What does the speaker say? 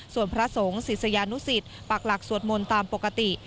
ส่วนพระสงฆ์ศิษยานุสิตปักหลักสวดมนต์ตามปกติ